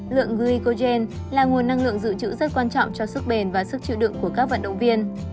lượng guicogen là nguồn năng lượng dự trữ rất quan trọng cho sức bền và sức chịu đựng của các vận động viên